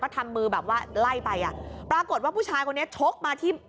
กับปุ่นหนู